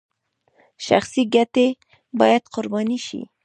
شخصي ګټې باید قرباني شي